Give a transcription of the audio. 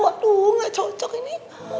waduh gak cocok ini